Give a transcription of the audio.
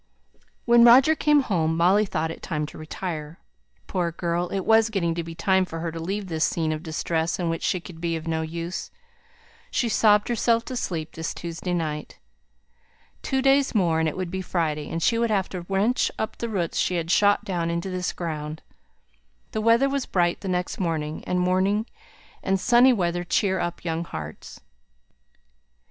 When Roger came home, Molly thought it time to retire. Poor girl! it was getting to be time for her to leave this scene of distress in which she could be of no use. She sobbed herself to sleep this Tuesday night. Two days more, and it would be Friday; and she would have to wrench up the roots she had shot down into this ground. The weather was bright the next morning; and morning and sunny weather cheer up young hearts.